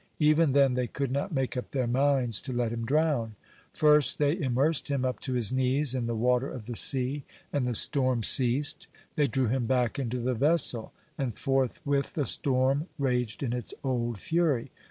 Even then they could not make up their minds to let him drown. First they immersed him up to his knees in the water of the sea, and the storm ceased; they drew him back into the vessel, and forthwith the storm raged in its old fury.